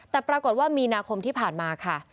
แต่ปรากฏว่ามีนาคมที่ผ่านมาค่ะ